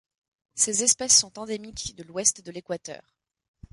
Ces espèces sont endémiques de l'Ouest de l'Équateur.